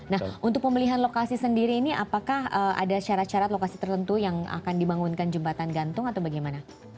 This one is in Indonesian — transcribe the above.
nah untuk pembelian lokasi sendiri ini apakah ada syarat syarat lokasi tertentu yang akan dibangunkan jembatan gantung atau bagaimana